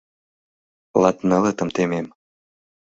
— Латнылытым темем...